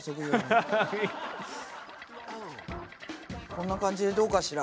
こんな感じでどうかしら？